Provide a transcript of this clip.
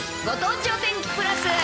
ご当地お天気プラス。